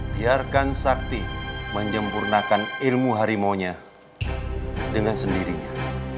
biarkan sakti menyempurnakan ilmu harimau nya dengan sendirinya